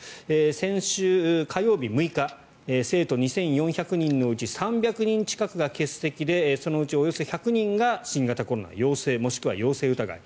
先週火曜日６日生徒２４００人のうち３００人近くが欠席でそのうち、およそ１００人が新型コロナの陽性もしくは陽性疑い。